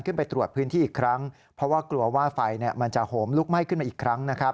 ขึ้นไปตรวจพื้นที่อีกครั้งเพราะว่ากลัวว่าไฟมันจะโหมลุกไหม้ขึ้นมาอีกครั้งนะครับ